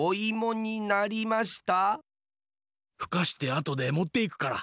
ふかしてあとでもっていくから。